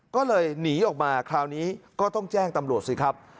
ก็เลยหนีออกมาคราวนี้ก็ต้องแจ้งตำรวจสิครับ